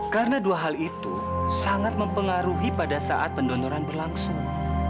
karena dua hal itu sangat mempengaruhi pada saat pendonoran berlangsung